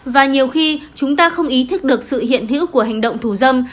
và nhiều khi chúng ta không ý thức được sự hiện hữu của hành động thù dâm